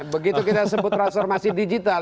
begitu kita sebut transformasi digital